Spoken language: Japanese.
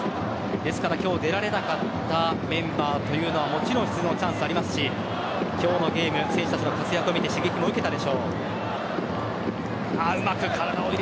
ですから、今日出られなかったメンバーというのはもちろん出場のチャンスありますし今日のゲーム選手たちの活躍を見て刺激も受けたでしょう。